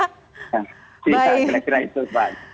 tidak tidak itu pak